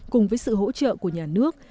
cùng với sự hỗ trợ của nhà nước